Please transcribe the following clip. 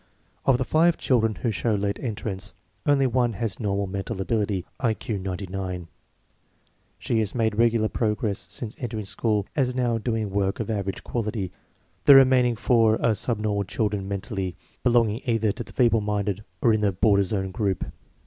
"Of the five children who show late entrance, only one has normal mental ability (I Q 99). She has made regular progre since entering school and is now doing work of average quality. The remaining four are sub normal children mentally, belonging either in the feeble minded or in the border zone group.